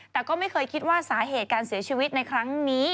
แต่ก็ไม่เคยคิดว่าสาเหตุการเสียชีวิตในครั้งนี้